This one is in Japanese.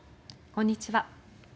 こんにちは。